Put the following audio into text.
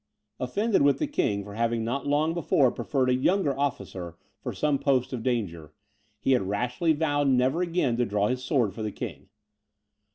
Offended with the king for having not long before preferred a younger officer for some post of danger, he had rashly vowed never again to draw his sword for the king.